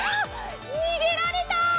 にげられた！